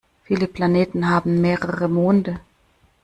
Viele Planeten haben mehrere Monde.